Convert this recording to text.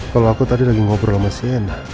kalau aku tadi lagi ngobrol sama cnn